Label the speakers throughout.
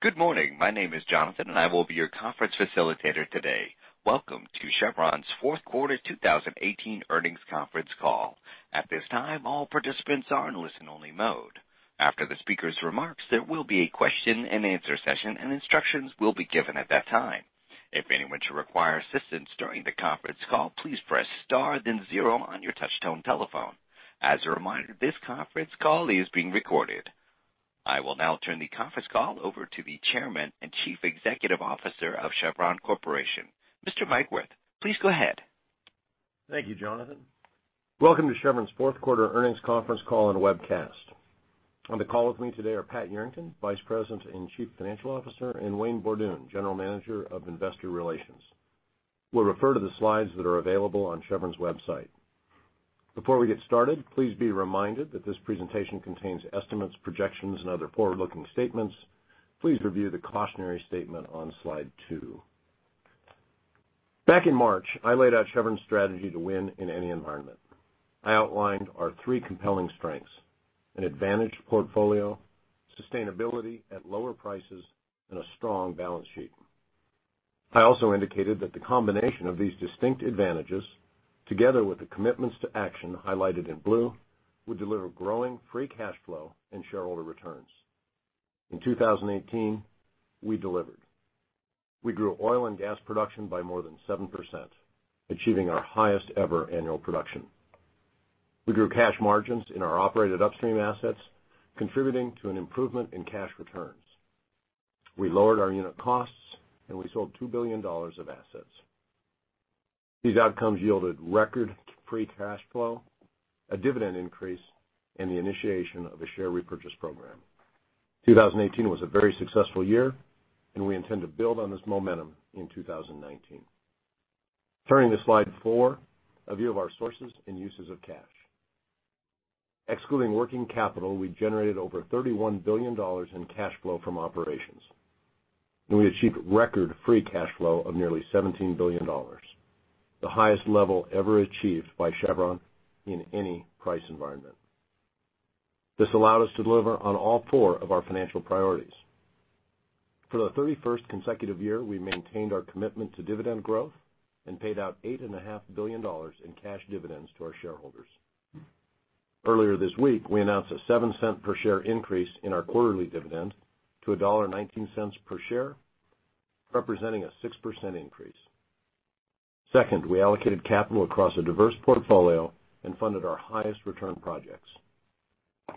Speaker 1: Good morning. My name is Jonathan, and I will be your conference facilitator today. Welcome to Chevron's fourth quarter 2018 earnings conference call. At this time, all participants are in listen-only mode. After the speakers' remarks, there will be a question-and-answer session, and instructions will be given at that time. If anyone should require assistance during the conference call, please press star then zero on your touch-tone telephone. As a reminder, this conference call is being recorded. I will now turn the conference call over to the Chairman and Chief Executive Officer of Chevron Corporation, Mr. Mike Wirth. Please go ahead.
Speaker 2: Thank you, Jonathan. Welcome to Chevron's fourth quarter earnings conference call and webcast. On the call with me today are Pat Yarrington, Vice President and Chief Financial Officer, and Wayne Borduin, General Manager of Investor Relations. We'll refer to the slides that are available on Chevron's website. Before we get started, please be reminded that this presentation contains estimates, projections, and other forward-looking statements. Please review the cautionary statement on slide two. Back in March, I laid out Chevron's strategy to win in any environment. I outlined our three compelling strengths: an advantage portfolio, sustainability at lower prices, and a strong balance sheet. I also indicated that the combination of these distinct advantages, together with the commitments to action highlighted in blue, would deliver growing free cash flow and shareholder returns. In 2018, we delivered. We grew oil and gas production by more than 7%, achieving our highest ever annual production. We grew cash margins in our operated upstream assets, contributing to an improvement in cash returns. We lowered our unit costs, and we sold $2 billion of assets. These outcomes yielded record free cash flow, a dividend increase, and the initiation of a share repurchase program. 2018 was a very successful year, and we intend to build on this momentum in 2019. Turning to slide four, a view of our sources and uses of cash. Excluding working capital, we generated over $31 billion in cash flow from operations, and we achieved record free cash flow of nearly $17 billion, the highest level ever achieved by Chevron in any price environment. This allowed us to deliver on all four of our financial priorities. For the 31st consecutive year, we maintained our commitment to dividend growth and paid out $8.5 billion in cash dividends to our shareholders. Earlier this week, we announced a $0.07 per share increase in our quarterly dividend to $1.19 per share, representing a 6% increase. Second, we allocated capital across a diverse portfolio and funded our highest return projects.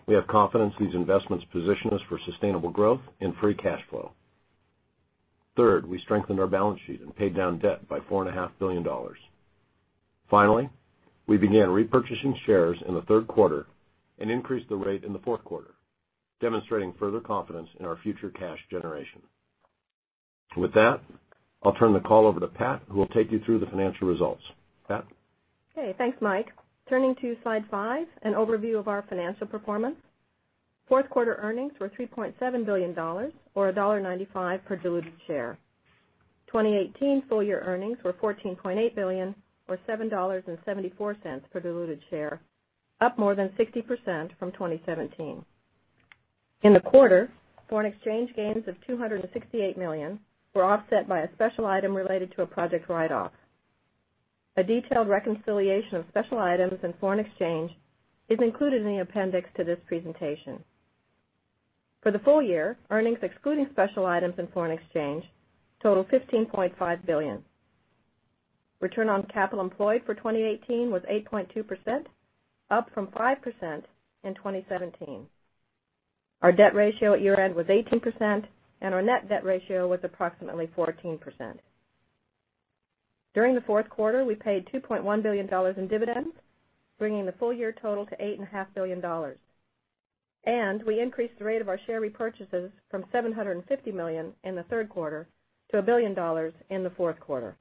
Speaker 2: We have confidence these investments position us for sustainable growth and free cash flow. Third, we strengthened our balance sheet and paid down debt by $4.5 billion. Finally, we began repurchasing shares in the third quarter and increased the rate in the fourth quarter, demonstrating further confidence in our future cash generation. With that, I'll turn the call over to Pat, who will take you through the financial results. Pat?
Speaker 3: Okay, thanks, Mike. Turning to slide five, an overview of our financial performance. Fourth quarter earnings were $3.7 billion, or $1.95 per diluted share. 2018 full-year earnings were $14.8 billion, or $7.74 per diluted share, up more than 60% from 2017. In the quarter, foreign exchange gains of $268 million were offset by a special item related to a project write-off. A detailed reconciliation of special items and foreign exchange is included in the appendix to this presentation. For the full year, earnings excluding special items and foreign exchange total $15.5 billion. Return on capital employed for 2018 was 8.2%, up from 5% in 2017. Our debt ratio at year-end was 18%, and our net debt ratio was approximately 14%. During the fourth quarter, we paid $2.1 billion in dividends, bringing the full-year total to $8.5 billion. We increased the rate of our share repurchases from $750 million in the third quarter to $1 billion in the fourth quarter.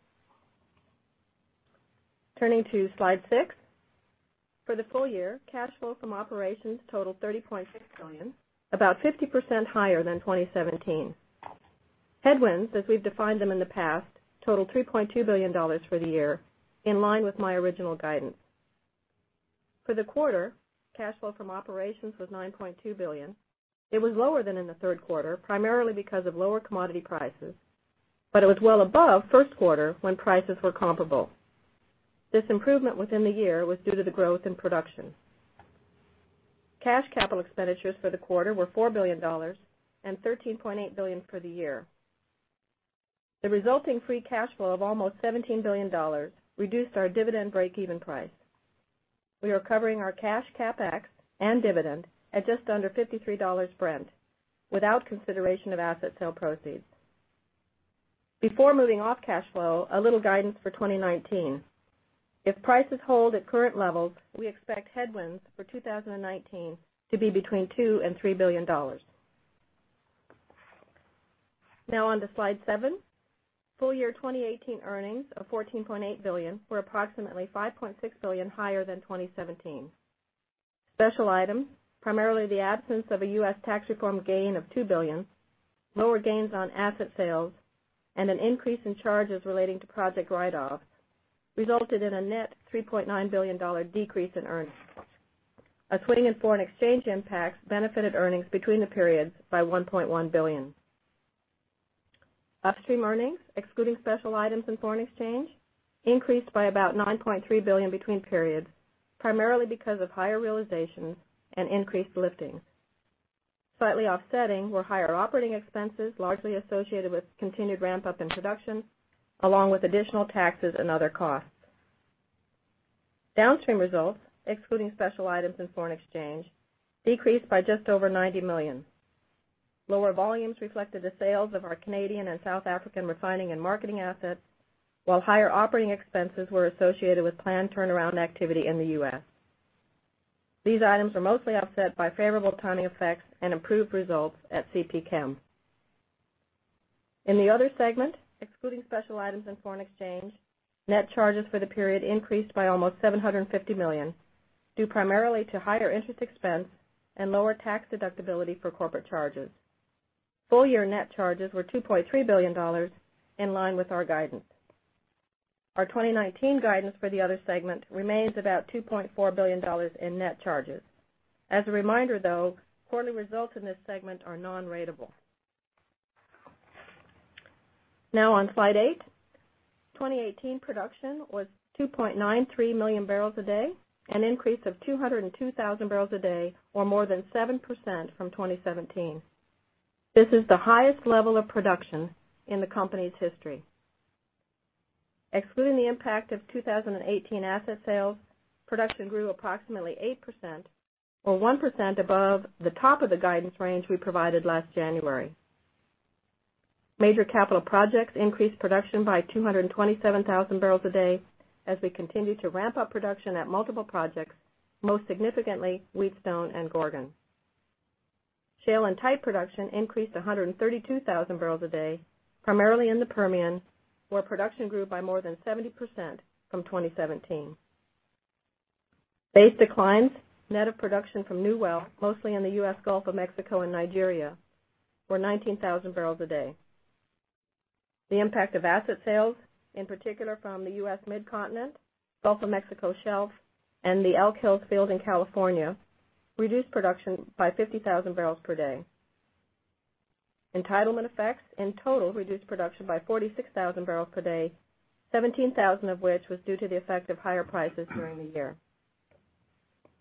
Speaker 3: Turning to slide six. For the full year, cash flow from operations totaled $30.6 billion, about 50% higher than 2017. Headwinds, as we've defined them in the past, totaled $3.2 billion for the year, in line with my original guidance. For the quarter, cash flow from operations was $9.2 billion. It was lower than in the third quarter, primarily because of lower commodity prices, but it was well above first quarter when prices were comparable. This improvement within the year was due to the growth in production. Cash capital expenditures for the quarter were $4 billion and $13.8 billion for the year. The resulting free cash flow of almost $17 billion reduced our dividend break-even price. We are covering our cash CapEx and dividend at just under $53 Brent without consideration of asset sale proceeds. Before moving off cash flow, a little guidance for 2019. If prices hold at current levels, we expect headwinds for 2019 to be between $2 billion and $3 billion. Now on to slide seven. Full-year 2018 earnings of $14.8 billion were approximately $5.6 billion higher than 2017. Special items, primarily the absence of a U.S. tax reform gain of $2 billion, lower gains on asset sales, and an increase in charges relating to project write-off. Resulted in a net $3.9 billion decrease in earnings. A swing in foreign exchange impacts benefited earnings between the periods by $1.1 billion. Upstream earnings, excluding special items and foreign exchange, increased by about $9.3 billion between periods, primarily because of higher realization and increased lifting. Slightly offsetting were higher operating expenses, largely associated with continued ramp-up in production, along with additional taxes and other costs. Downstream results, excluding special items and foreign exchange, decreased by just over $90 million. Lower volumes reflected the sales of our Canadian and South African refining and marketing assets, while higher operating expenses were associated with planned turnaround activity in the U.S. These items are mostly offset by favorable timing effects and improved results at CPChem. In the other segment, excluding special items and foreign exchange, net charges for the period increased by almost $750 million, due primarily to higher interest expense and lower tax deductibility for corporate charges. Full-year net charges were $2.3 billion, in line with our guidance. Our 2019 guidance for the other segment remains about $2.4 billion in net charges. As a reminder though, quarterly results in this segment are non-ratable. On slide eight, 2018 production was 2.93 MMbpd, an increase of 202,000 bpd, or more than 7% from 2017. This is the highest level of production in the company's history. Excluding the impact of 2018 asset sales, production grew approximately 8%, or 1% above the top of the guidance range we provided last January. Major capital projects increased production by 227,000 bpd as we continue to ramp up production at multiple projects, most significantly Wheatstone and Gorgon. Shale and tight production increased 132,000 bpd, primarily in the Permian, where production grew by more than 70% from 2017. Base declines, net of production from new wells, mostly in the U.S. Gulf of Mexico and Nigeria, were 19,000 bpd. The impact of asset sales, in particular from the U.S. Mid-Continent, Gulf of Mexico Shelf, and the Elk Hills field in California, reduced production by 50,000 bpd. Entitlement effects in total reduced production by 46,000 bpd, 17,000 bpd of which was due to the effect of higher prices during the year.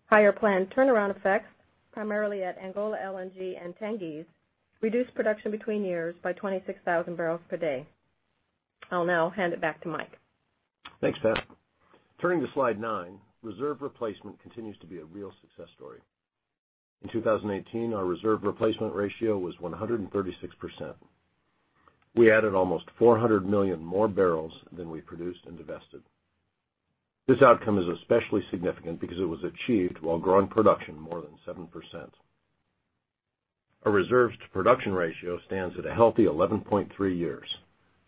Speaker 3: Higher planned turnaround effects, primarily at Angola LNG and Tengiz, reduced production between years by 26,000 bpd. I'll hand it back to Mike.
Speaker 2: Thanks, Pat. Turning to slide nine, reserve replacement continues to be a real success story. In 2018, our reserve replacement ratio was 136%. We added almost 400 million more barrels than we produced and divested. This outcome is especially significant because it was achieved while growing production more than 7%. Our reserves to production ratio stands at a healthy 11.3 years,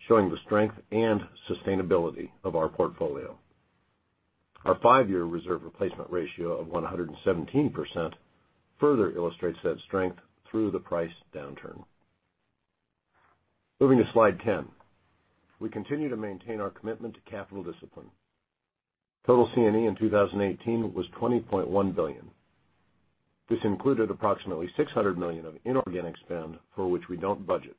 Speaker 2: showing the strength and sustainability of our portfolio. Our five-year reserve replacement ratio of 117% further illustrates that strength through the price downturn. Moving to slide 10. We continue to maintain our commitment to capital discipline. Total C&E in 2018 was $20.1 billion. This included approximately $600 million of inorganic spend for which we don't budget,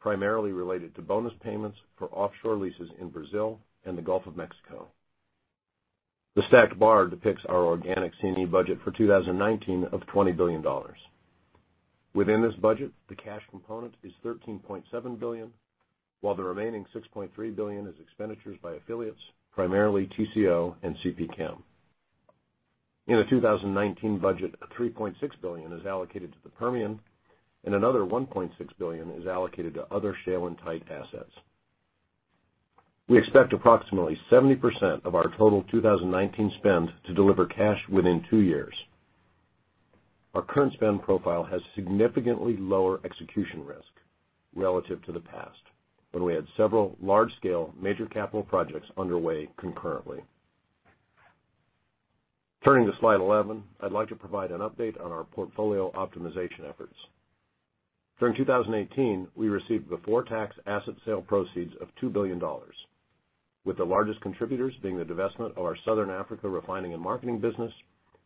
Speaker 2: primarily related to bonus payments for offshore leases in Brazil and the Gulf of Mexico. The stacked bar depicts our organic C&E budget for 2019 of $20 billion. Within this budget, the cash component is $13.7 billion, while the remaining $6.3 billion is expenditures by affiliates, primarily TCO and CPChem. In the 2019 budget, $3.6 billion is allocated to the Permian, and another $1.6 billion is allocated to other shale and tight assets. We expect approximately 70% of our total 2019 spend to deliver cash within two years. Our current spend profile has significantly lower execution risk relative to the past, when we had several large-scale major capital projects underway concurrently. Turning to slide 11, I'd like to provide an update on our portfolio optimization efforts. During 2018, we received before tax asset sale proceeds of $2 billion, with the largest contributors being the divestment of our Southern Africa refining and marketing business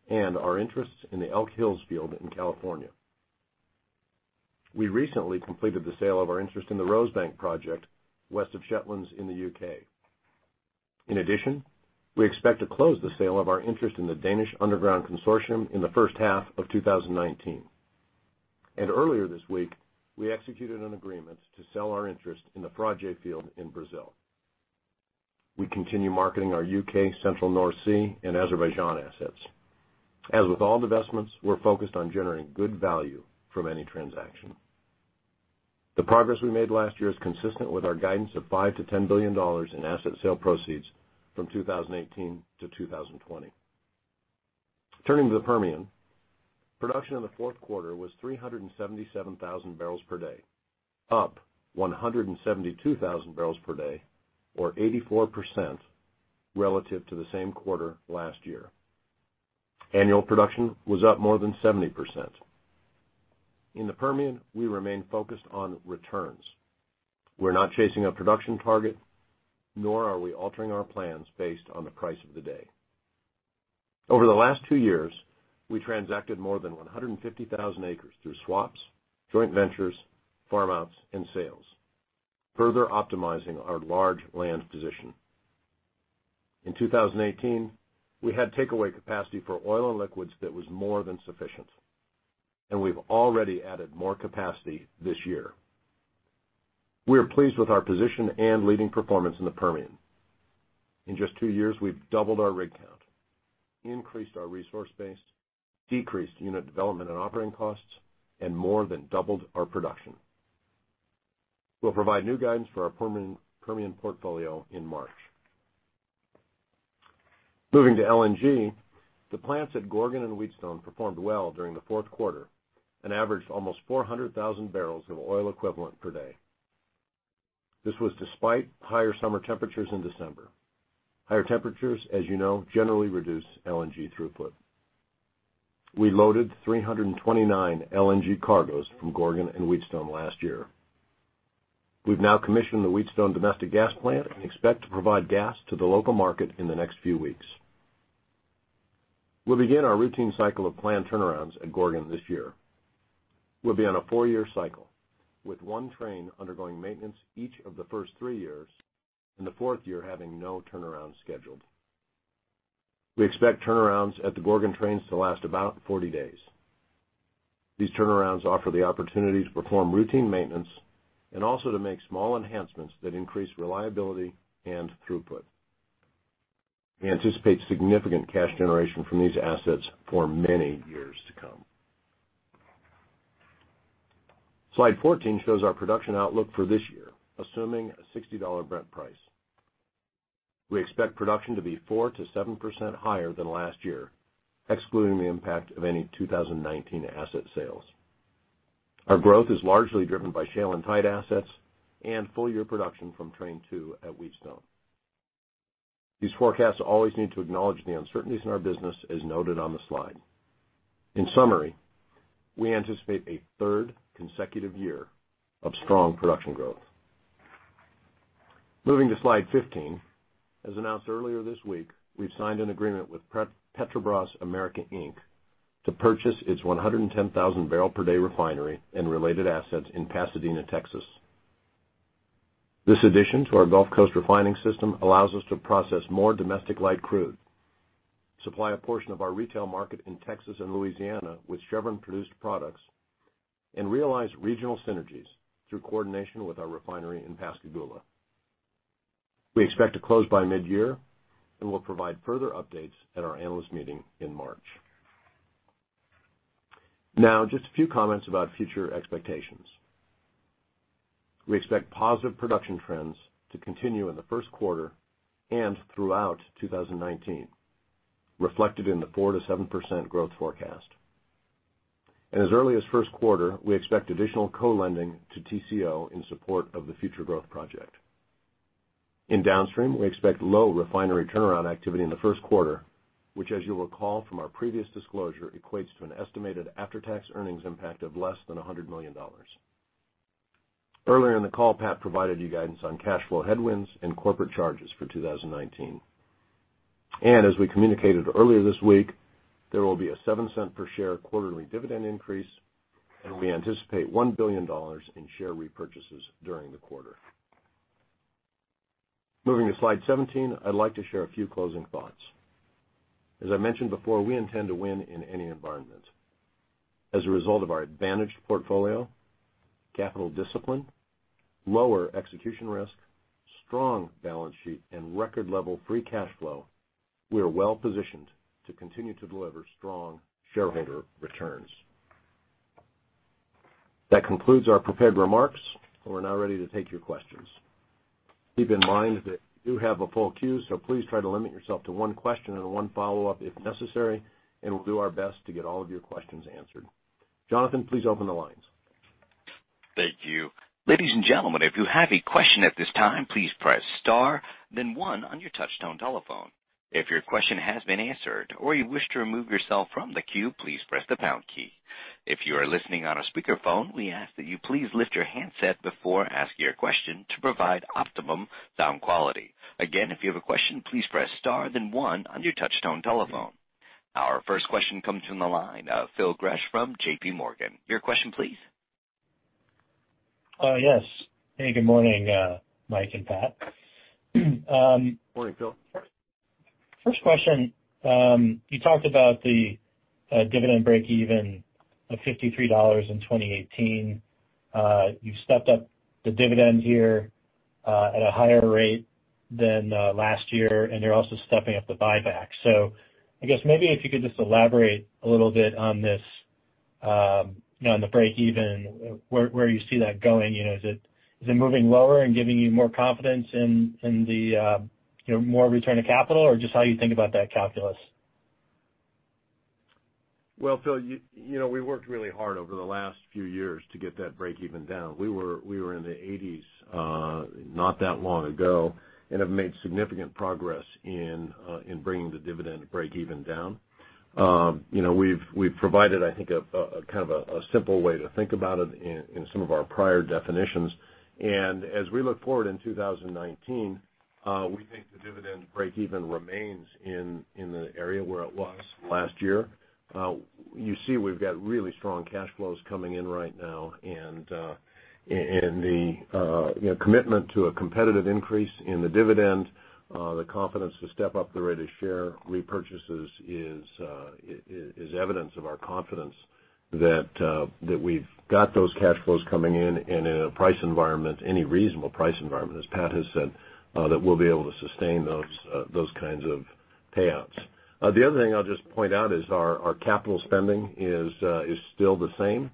Speaker 2: and our interests in the Elk Hills field in California. We recently completed the sale of our interest in the Rosebank project west of Shetlands in the U.K. In addition, we expect to close the sale of our interest in the Danish Underground Consortium in the first half of 2019. Earlier this week, we executed an agreement to sell our interest in the Frade field in Brazil. We continue marketing our U.K. Central North Sea and Azerbaijan assets. As with all divestments, we're focused on generating good value from any transaction. The progress we made last year is consistent with our guidance of $5 billion-$10 billion in asset sale proceeds from 2018-2020. Turning to the Permian, production in the fourth quarter was 377,000 bpd up 172,000 bpd or 84% relative to the same quarter last year. Annual production was up more than 70%. In the Permian, we remain focused on returns. We're not chasing a production target, nor are we altering our plans based on the price of the day. Over the last two years, we transacted more than 150,000 acres through swaps, joint ventures, farm outs, and sales, further optimizing our large land position. In 2018, we had takeaway capacity for oil and liquids that was more than sufficient, and we've already added more capacity this year. We are pleased with our position and leading performance in the Permian. In just two years, we've doubled our rig count, increased our resource base, decreased unit development and operating costs, and more than doubled our production. We'll provide new guidance for our Permian portfolio in March. Moving to LNG, the plants at Gorgon and Wheatstone performed well during the fourth quarter and averaged almost 400,000 bbl of oil equivalent per day. This was despite higher summer temperatures in December. Higher temperatures, as you know, generally reduce LNG throughput. We loaded 329 LNG cargoes from Gorgon and Wheatstone last year. We've now commissioned the Wheatstone domestic gas plant and expect to provide gas to the local market in the next few weeks. We'll begin our routine cycle of plant turnarounds at Gorgon this year. We'll be on a four-year cycle with one train undergoing maintenance each of the first three years, and the fourth year having no turnaround scheduled. We expect turnarounds at the Gorgon trains to last about 40 days. These turnarounds offer the opportunity to perform routine maintenance and also to make small enhancements that increase reliability and throughput. We anticipate significant cash generation from these assets for many years to come. Slide 14 shows our production outlook for this year, assuming a $60 Brent price. We expect production to be 4%-7% higher than last year, excluding the impact of any 2019 asset sales. Our growth is largely driven by shale and tight assets and full-year production from train 2 at Wheatstone. These forecasts always need to acknowledge the uncertainties in our business as noted on the slide. In summary, we anticipate a third consecutive year of strong production growth. Moving to slide 15. As announced earlier this week, we've signed an agreement with Petrobras America Inc. to purchase its 110,000 bpd refinery and related assets in Pasadena, Texas. This addition to our Gulf Coast refining system allows us to process more domestic light crude, supply a portion of our retail market in Texas and Louisiana with Chevron-produced products, and realize regional synergies through coordination with our refinery in Pascagoula. We expect to close by mid-year, and we'll provide further updates at our analyst meeting in March. Now, just a few comments about future expectations. We expect positive production trends to continue in the first quarter and throughout 2019, reflected in the 4%-7% growth forecast. As early as the first quarter, we expect additional co-lending to TCO in support of the future growth project. In downstream, we expect low refinery turnaround activity in the first quarter, which as you'll recall from our previous disclosure, equates to an estimated after-tax earnings impact of less than $100 million. Earlier in the call, Pat provided you guidance on cash flow headwinds and corporate charges for 2019. As we communicated earlier this week, there will be a $0.07 per share quarterly dividend increase, and we anticipate $1 billion in share repurchases during the quarter. Moving to slide 17, I'd like to share a few closing thoughts. As I mentioned before, we intend to win in any environment. As a result of our advantaged portfolio, capital discipline, lower execution risk, strong balance sheet, and record level free cash flow, we are well-positioned to continue to deliver strong shareholder returns. That concludes our prepared remarks. We're now ready to take your questions. Keep in mind that we do have a full queue, so please try to limit yourself to one question and one follow-up if necessary, and we'll do our best to get all of your questions answered. Jonathan, please open the lines.
Speaker 1: Thank you. Ladies and gentlemen, if you have a question at this time, please press star then one on your touchtone telephone. If your question has been answered or you wish to remove yourself from the queue, please press the pound key. If you are listening on a speakerphone, we ask that you please lift your handset before asking your question to provide optimum sound quality. Again, if you have a question, please press star then one on your touchtone telephone. Our first question comes from the line of Phil Gresh from JPMorgan. Your question please.
Speaker 4: Yes. Hey, good morning, Mike and Pat.
Speaker 2: Morning, Phil.
Speaker 4: First question. You talked about the dividend break-even of $53 in 2018. You've stepped up the dividend here at a higher rate than last year, and you're also stepping up the buyback. I guess maybe if you could just elaborate a little bit on this, on the break-even, where you see that going. Is it moving lower and giving you more confidence in more return of capital, or just how you think about that calculus?
Speaker 2: Well, Phil, we worked really hard over the last few years to get that break-even down. We were in the 80s not that long ago and have made significant progress in bringing the dividend break-even down. We've provided, I think, a simple way to think about it in some of our prior definitions. As we look forward in 2019, we think the dividend break-even remains in the area where it was last year. You see we've got really strong cash flows coming in right now. The commitment to a competitive increase in the dividend, the confidence to step up the rate of share repurchases is evidence of our confidence that we've got those cash flows coming in a price environment, any reasonable price environment, as Pat has said, that we'll be able to sustain those kinds of payouts. The other thing I'll just point out is our capital spending is still the same,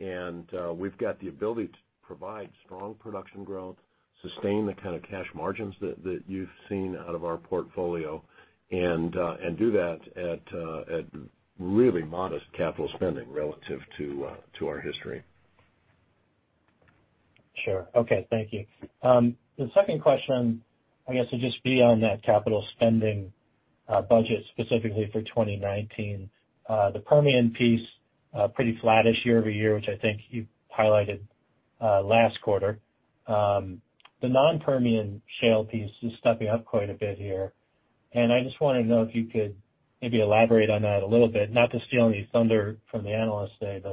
Speaker 2: and we've got the ability to provide strong production growth, sustain the kind of cash margins that you've seen out of our portfolio, and do that at really modest capital spending relative to our history.
Speaker 4: Sure. Okay. Thank you. The second question, I guess, would just be on that capital spending budget, specifically for 2019. The Permian piece, pretty flattish year-over-year, which I think you highlighted last quarter. The non-Permian shale piece is stepping up quite a bit here, and I just want to know if you could maybe elaborate on that a little bit, not to steal any thunder from the Analyst Day. Is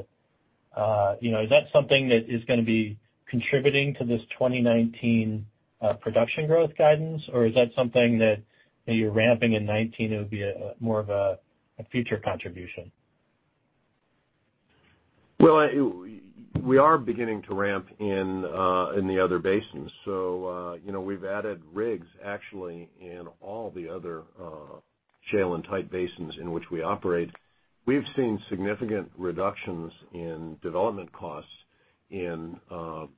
Speaker 4: that something that is going to be contributing to this 2019 production growth guidance, or is that something that you're ramping in 2019, it would be more of a future contribution?
Speaker 2: We are beginning to ramp in the other basins. We've added rigs, actually, in all the other shale and tight basins in which we operate. We've seen significant reductions in development costs in the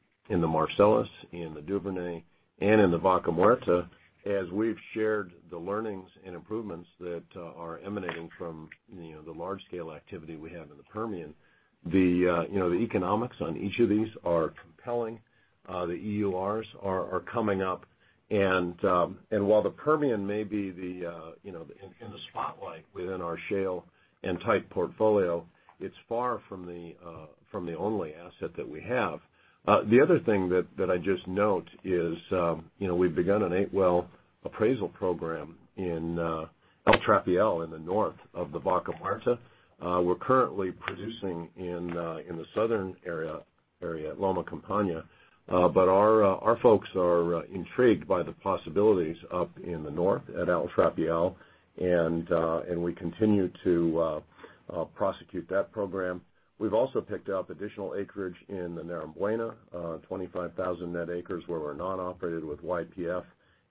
Speaker 2: Marcellus, in the Duvernay, and in the Vaca Muerta, as we've shared the learnings and improvements that are emanating from the large-scale activity we have in the Permian. The economics on each of these are compelling. The EURs are coming up. While the Permian may be in the spotlight within our shale and tight portfolio, it's far from the only asset that we have. The other thing that I just note is we've begun an eight-well appraisal program in El Trapial in the north of the Vaca Muerta. We're currently producing in the southern area at Loma Campana. Our folks are intrigued by the possibilities up in the north at El Trapial, and we continue to prosecute that program. We've also picked up additional acreage in the Neuquén, 25,000 net acres where we're non-operated with YPF,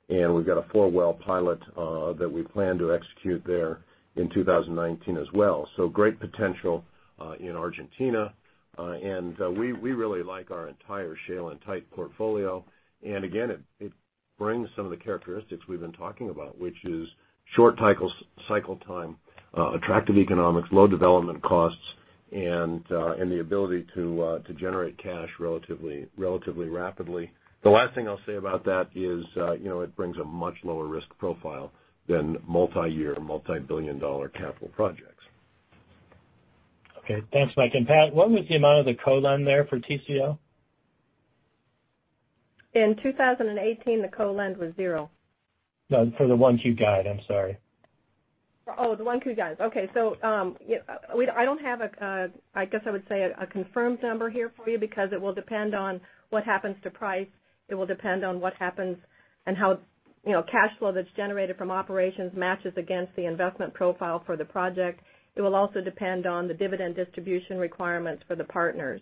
Speaker 2: and we've got a four-well pilot that we plan to execute there in 2019 as well. Great potential in Argentina. We really like our entire shale and tight portfolio. Again, it brings some of the characteristics we've been talking about, which is short cycle time, attractive economics, low development costs, and the ability to generate cash relatively rapidly. The last thing I'll say about that is it brings a much lower risk profile than multi-year, multi-billion dollar capital projects.
Speaker 4: Okay. Thanks, Mike. Pat, what was the amount of the co-lend there for TCO?
Speaker 3: In 2018, the co-lend was zero.
Speaker 4: No, for the 1Q guide. I'm sorry.
Speaker 3: Oh, the 1Q guide. Okay. I don't have a confirmed number here for you because it will depend on what happens to price. It will depend on what happens and how cash flow that's generated from operations matches against the investment profile for the project. It will also depend on the dividend distribution requirements for the partners.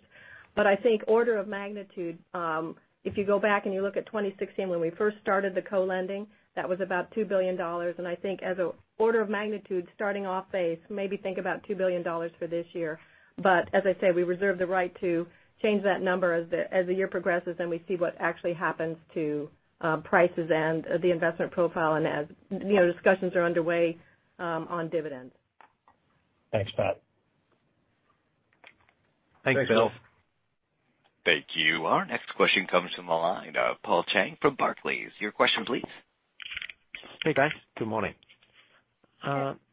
Speaker 3: I think order of magnitude, if you go back and you look at 2016 when we first started the co-lending, that was about $2 billion. I think as an order of magnitude starting off base, maybe think about $2 billion for this year. As I say, we reserve the right to change that number as the year progresses and we see what actually happens to prices and the investment profile and as discussions are underway on dividends.
Speaker 4: Thanks, Pat.
Speaker 2: Thanks, Phil.
Speaker 5: Thanks, Phil.
Speaker 1: Thank you. Our next question comes from the line of Paul Cheng from Barclays. Your question please.
Speaker 6: Hey, guys. Good morning.
Speaker 3: Good morning.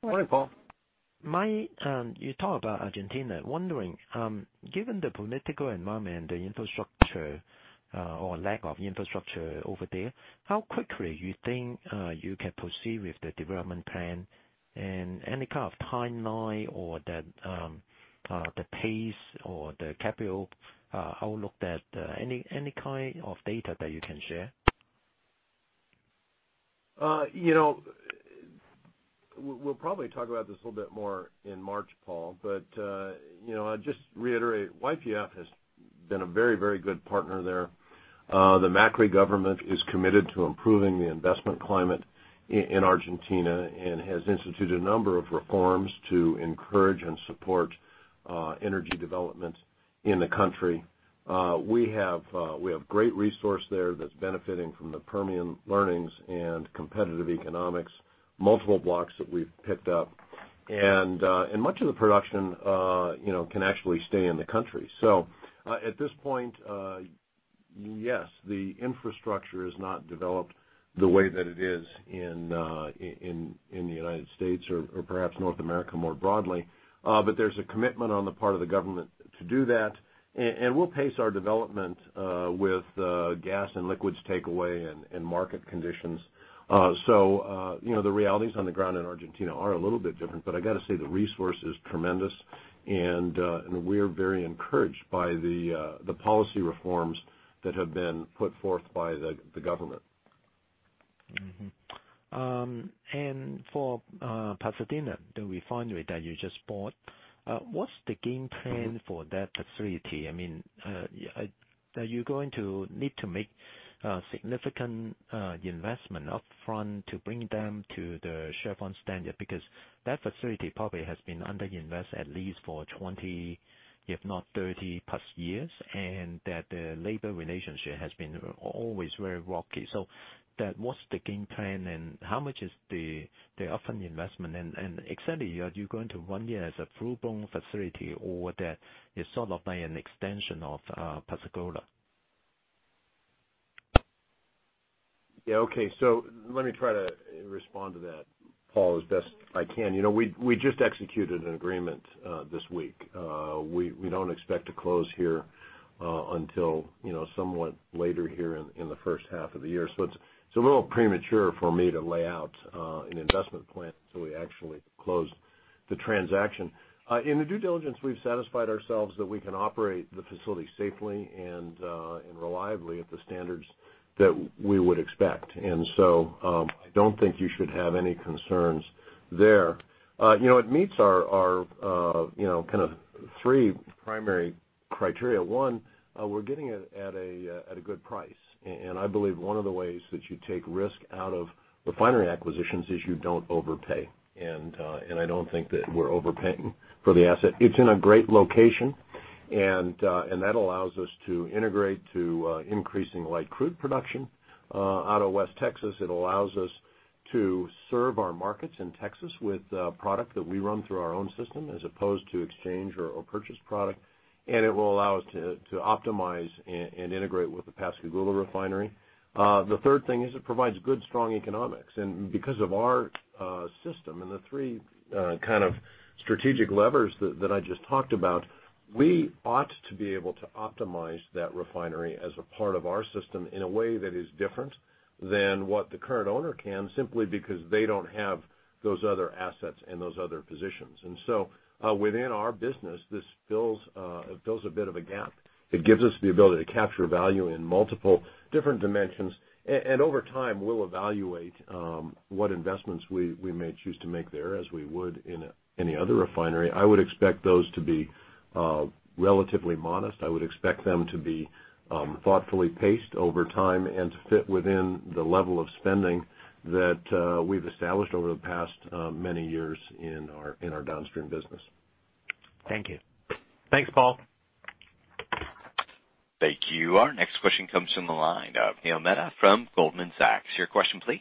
Speaker 2: Morning, Paul.
Speaker 6: Mike, you talk about Argentina. Wondering, given the political environment, the infrastructure or lack of infrastructure over there, how quickly you think you can proceed with the development plan, and any kind of timeline or the pace or the capital outlook, any kind of data that you can share?
Speaker 2: We'll probably talk about this a little bit more in March, Paul. I'll just reiterate, YPF has been a very good partner there. The Macri government is committed to improving the investment climate in Argentina and has instituted a number of reforms to encourage and support energy development in the country. We have great resource there that's benefiting from the Permian learnings and competitive economics, multiple blocks that we've picked up. Much of the production can actually stay in the country. At this point, yes, the infrastructure is not developed the way that it is in the U.S. or perhaps North America more broadly. There's a commitment on the part of the government to do that, and we'll pace our development with gas and liquids takeaway and market conditions. The realities on the ground in Argentina are a little bit different. I got to say the resource is tremendous and we're very encouraged by the policy reforms that have been put forth by the government.
Speaker 6: For Pasadena, the refinery that you just bought, what's the game plan for that facility? Are you going to need to make significant investment upfront to bring them to the Chevron standard? Because that facility probably has been under-invested at least for 20 years, if not 30+ years, and that the labor relationship has been always very rocky. What's the game plan, how much is the upfront investment? Exactly, are you going to run it as a full-blown facility or is that sort of like an extension of Pascagoula?
Speaker 2: Let me try to respond to that, Paul, as best I can. We just executed an agreement this week. We don't expect to close here until somewhat later here in the first half of the year. It's a little premature for me to lay out an investment plan till we actually close the transaction. In the due diligence, we've satisfied ourselves that we can operate the facility safely and reliably at the standards that we would expect. I don't think you should have any concerns there. It meets our kind of three primary criteria. One, we're getting it at a good price. I believe one of the ways that you take risk out of refinery acquisitions is you don't overpay. I don't think that we're overpaying for the asset. It's in a great location, that allows us to integrate to increasing light crude production out of West Texas. It allows us to serve our markets in Texas with product that we run through our own system as opposed to exchange or purchase product, it will allow us to optimize and integrate with the Pascagoula refinery. The third thing is it provides good, strong economics. Because of our system and the three kind of strategic levers that I just talked about, we ought to be able to optimize that refinery as a part of our system in a way that is different than what the current owner can, simply because they don't have those other assets and those other positions. Within our business, this fills a bit of a gap. It gives us the ability to capture value in multiple different dimensions. Over time, we'll evaluate what investments we may choose to make there as we would in any other refinery. I would expect those to be relatively modest. I would expect them to be thoughtfully paced over time and to fit within the level of spending that we've established over the past many years in our downstream business.
Speaker 6: Thank you.
Speaker 2: Thanks, Paul.
Speaker 1: Thank you. Our next question comes from the line of Neil Mehta from Goldman Sachs. Your question, please.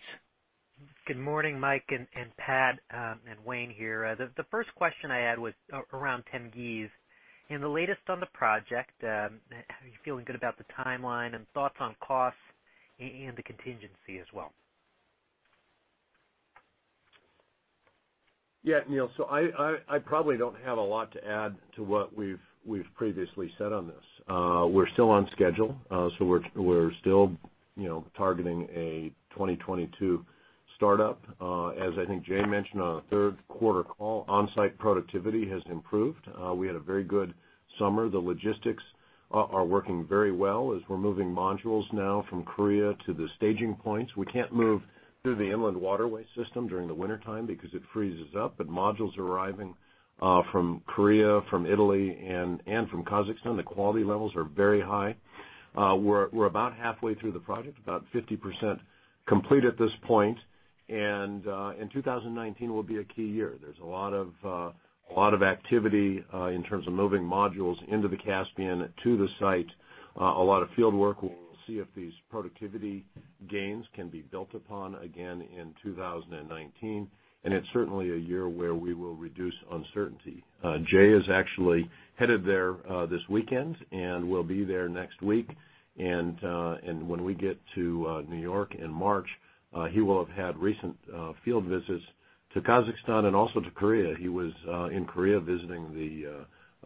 Speaker 7: Good morning, Mike and Pat and Wayne here. The first question I had was around Tengiz and the latest on the project. Are you feeling good about the timeline and thoughts on costs and the contingency as well?
Speaker 2: Yeah, Neil, I probably don't have a lot to add to what we've previously said on this. We're still on schedule, we're still targeting a 2022 startup. As I think Jay mentioned on the third quarter call, on-site productivity has improved. We had a very good summer. The logistics are working very well as we're moving modules now from Korea to the staging points. We can't move through the inland waterway system during the wintertime because it freezes up, but modules are arriving from Korea, from Italy, and from Kazakhstan. The quality levels are very high. We're about halfway through the project, about 50% complete at this point. 2019 will be a key year. There's a lot of activity in terms of moving modules into the Caspian to the site, a lot of field work. We'll see if these productivity gains can be built upon again in 2019. It's certainly a year where we will reduce uncertainty. Jay is actually headed there this weekend and will be there next week. When we get to New York in March, he will have had recent field visits to Kazakhstan and also to Korea. He was in Korea visiting the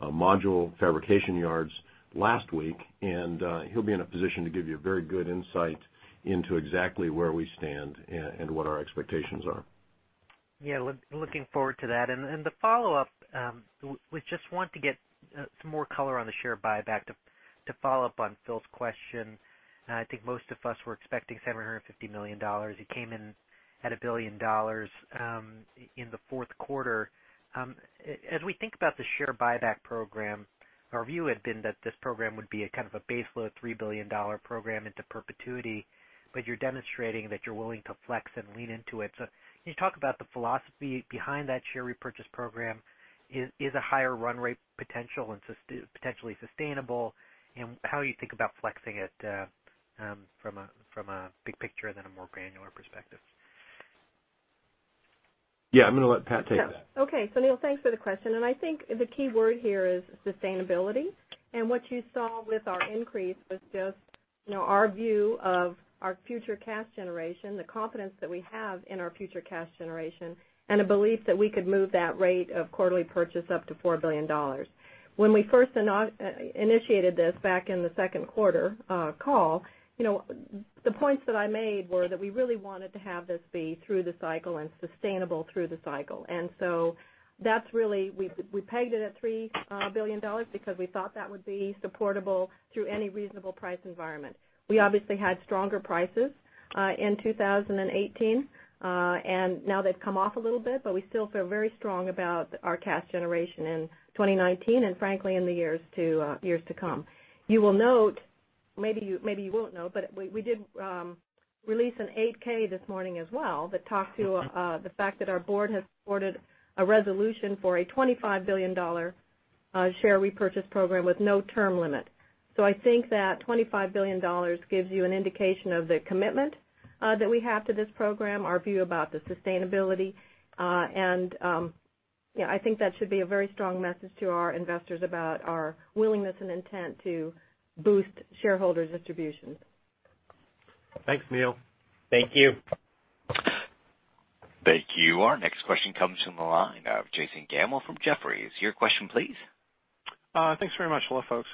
Speaker 2: module fabrication yards last week, he'll be in a position to give you a very good insight into exactly where we stand and what our expectations are.
Speaker 7: Yeah, looking forward to that. The follow-up, we just want to get some more color on the share buyback to follow up on Phil's question. I think most of us were expecting $750 million. You came in at $1 billion in the fourth quarter. As we think about the share buyback program, our view had been that this program would be a kind of a base load $3 billion program into perpetuity, you're demonstrating that you're willing to flex and lean into it. Can you talk about the philosophy behind that share repurchase program? Is a higher run rate potential and potentially sustainable? How you think about flexing it from a big picture then a more granular perspective?
Speaker 2: Yeah, I'm going to let Pat take that.
Speaker 3: Neil, thanks for the question, and I think the key word here is sustainability. What you saw with our increase was just our view of our future cash generation, the confidence that we have in our future cash generation, and a belief that we could move that rate of quarterly purchase up to $4 billion. When we first initiated this back in the second quarter call, the points that I made were that we really wanted to have this be through the cycle and sustainable through the cycle. We pegged it at $3 billion because we thought that would be supportable through any reasonable price environment. We obviously had stronger prices in 2018. Now they've come off a little bit, but we still feel very strong about our cash generation in 2019 and frankly, in the years to come. You will note, maybe you won't note, but we did release an 8-K this morning as well that talked to the fact that our board has supported a resolution for a $25 billion share repurchase program with no term limit. I think that $25 billion gives you an indication of the commitment that we have to this program, our view about the sustainability, and I think that should be a very strong message to our investors about our willingness and intent to boost shareholder distributions.
Speaker 2: Thanks, Neil.
Speaker 7: Thank you.
Speaker 1: Thank you. Our next question comes from the line of Jason Gammel from Jefferies. Your question, please.
Speaker 8: Thanks very much. Hello, folks.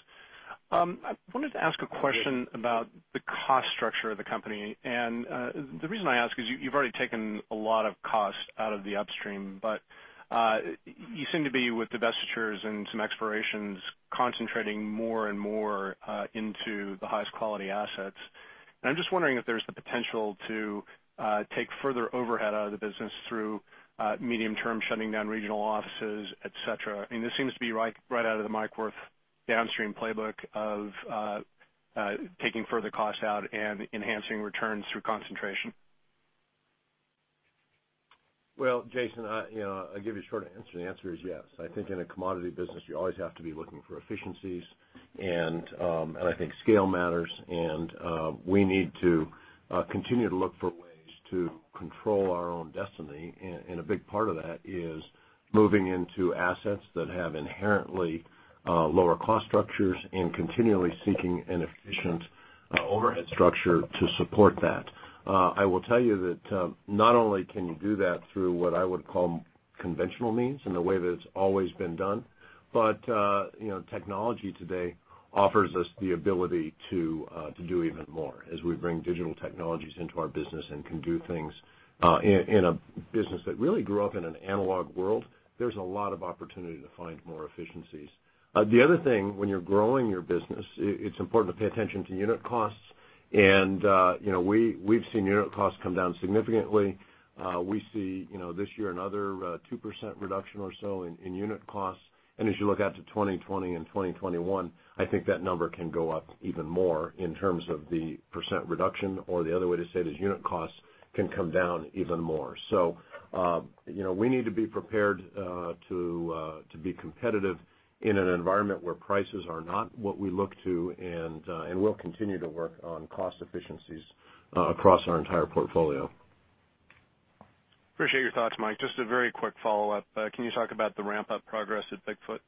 Speaker 8: I wanted to ask a question about the cost structure of the company. The reason I ask is you've already taken a lot of cost out of the upstream, but you seem to be with divestitures and some expirations concentrating more and more into the highest quality assets. I'm just wondering if there's the potential to take further overhead out of the business through medium term, shutting down regional offices, et cetera. This seems to be right out of the Mike Wirth downstream playbook of taking further costs out and enhancing returns through concentration.
Speaker 2: Well, Jason, I'll give you a short answer. The answer is yes. I think in a commodity business, you always have to be looking for efficiencies, and I think scale matters, and we need to continue to look for ways to control our own destiny. A big part of that is moving into assets that have inherently lower cost structures and continually seeking an efficient overhead structure to support that. I will tell you that not only can you do that through what I would call conventional means in the way that it's always been done, but technology today offers us the ability to do even more as we bring digital technologies into our business and can do things in a business that really grew up in an analog world. There's a lot of opportunity to find more efficiencies. The other thing, when you're growing your business, it's important to pay attention to unit costs, and we've seen unit costs come down significantly. We see this year another 2% reduction or so in unit costs. As you look out to 2020 and 2021, I think that number can go up even more in terms of the percent reduction or the other way to say it is unit costs can come down even more. We need to be prepared to be competitive in an environment where prices are not what we look to, and we'll continue to work on cost efficiencies across our entire portfolio.
Speaker 8: Appreciate your thoughts, Mike. Just a very quick follow-up. Can you talk about the ramp-up progress at Bigfoot?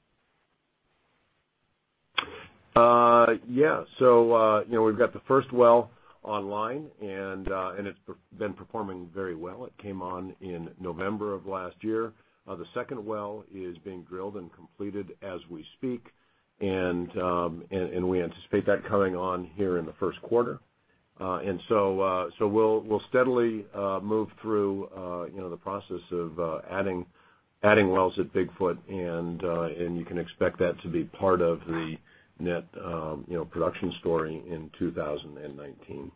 Speaker 2: We've got the first well online, and it's been performing very well. It came on in November of last year. The second well is being drilled and completed as we speak, and we anticipate that coming on here in the first quarter. We'll steadily move through the process of adding wells at Bigfoot, and you can expect that to be part of the net production story in 2019.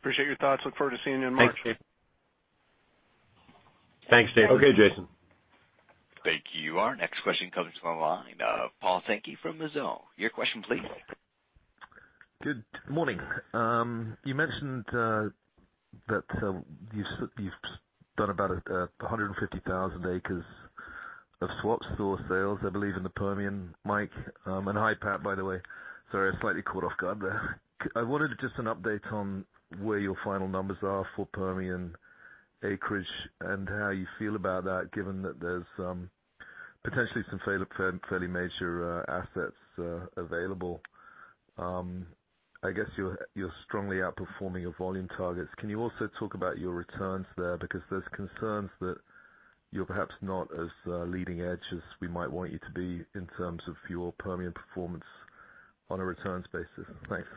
Speaker 8: Appreciate your thoughts. Look forward to seeing you in March.
Speaker 5: Thanks, Jason.
Speaker 7: Thanks, Jason.
Speaker 1: Thank you. Our next question comes from the line of Paul Sankey from Mizuho. Your question, please.
Speaker 9: Good morning. You mentioned that you've done about 150,000 acres of swaps or sales, I believe, in the Permian, Mike. Hi, Pat, by the way. Sorry, I slightly caught off guard there. I wanted just an update on where your final numbers are for Permian acreage and how you feel about that, given that there's potentially some fairly major assets available. I guess you're strongly outperforming your volume targets. Can you also talk about your returns there? Because there's concerns that you're perhaps not as leading edge as we might want you to be in terms of your Permian performance on a returns basis. Thanks.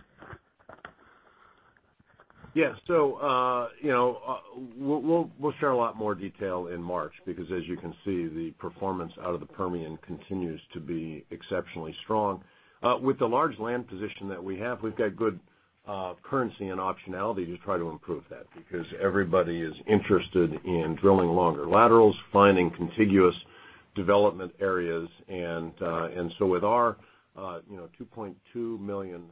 Speaker 2: Yeah. We'll share a lot more detail in March because as you can see, the performance out of the Permian continues to be exceptionally strong. With the large land position that we have, we've got good currency and optionality to try to improve that because everybody is interested in drilling longer laterals, finding contiguous development areas. With our 2.2 million